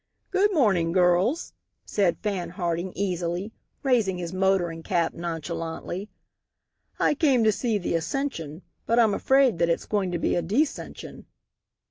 "Good morning, girls," said Fan Harding, easily, raising his motoring cap nonchalantly, "I came to see the ascension, but I'm afraid that it's going to be a descension."